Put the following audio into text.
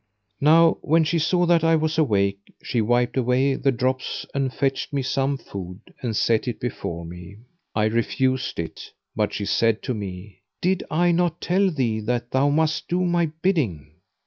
Now when she saw that I was awake, she wiped away the drops and fetched me some food and set it before me. I refused it, but she said to me, "Did I not tell thee that thou must do my bidding?